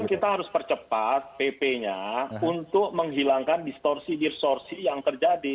ya justru kan kita harus percepat pp nya untuk menghilangkan distorsi distorsi yang terjadi